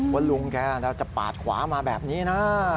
ว่าลุงแกจะปาดขวามาแบบนี้นะ